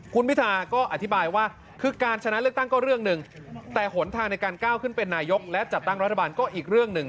คุณพิธาก็อธิบายว่าคือการชนะเลือกตั้งก็เรื่องหนึ่งแต่หนทางในการก้าวขึ้นเป็นนายกและจัดตั้งรัฐบาลก็อีกเรื่องหนึ่ง